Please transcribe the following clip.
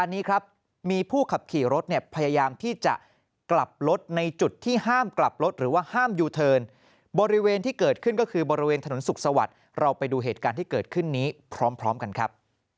ในการที่เกิดขึ้นนี้พร้อมกันครับ